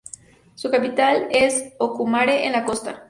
Su capital es Ocumare de la Costa.